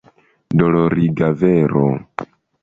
Doloriga vero!